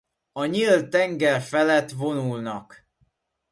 A nyílt tenger felett vonulnak.